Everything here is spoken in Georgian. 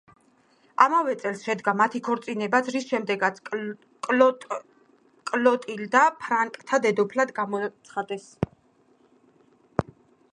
ამავე წელს შედგა მათი ქორწინებაც, რის შემდეგაც კლოტილდა ფრანკთა დედოფლად გამოაცხადეს.